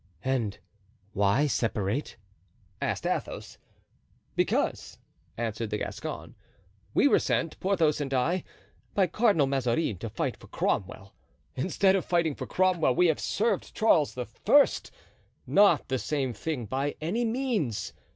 "And why separate?" asked Athos. "Because," answered the Gascon, "we were sent, Porthos and I, by Cardinal Mazarin to fight for Cromwell; instead of fighting for Cromwell we have served Charles I.—not the same thing by any means.